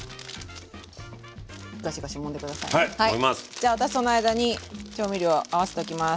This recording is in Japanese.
じゃあ私その間に調味料合わせておきます。